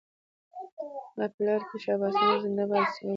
او په لار کي شاباسونه زنده باد سې اورېدلای